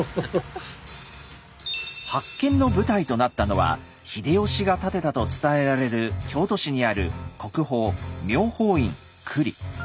発見の舞台となったのは秀吉が建てたと伝えられる京都市にある国宝「妙法院庫裏」。